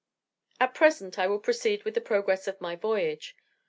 At present I will proceed with the progress of my voyage.